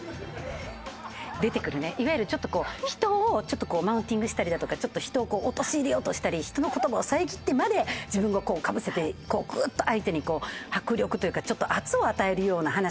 出てくるねいわゆるちょっとこう人をマウンティングしたりだとか人を陥れようとしたり人の言葉を遮ってまで自分がかぶせてぐーっと相手に迫力というかちょっと圧を与えるような話し方をする人。